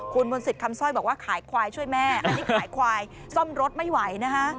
คุณมนต์สิทธิ์คำสร้อยบอกว่าขายควายช่วยแม่อันนี้ขายควายซ่อมรถไม่ไหวนะฮะ